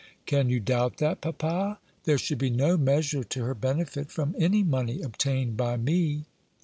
"Can you doubt that, papa? There should be no measure to her benefit from any money obtained by me."